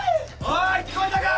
おい聞こえたか！